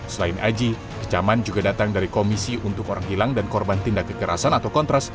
selain aji kecaman juga datang dari komisi untuk orang hilang dan korban tindak kekerasan atau kontras